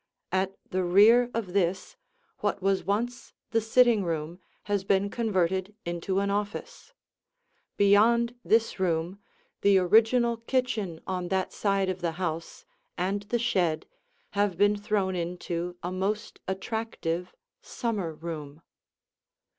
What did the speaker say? At the rear of this, what was once the sitting room has been converted into an office. Beyond this room, the original kitchen on that side of the house and the shed have been thrown into a most attractive summer room.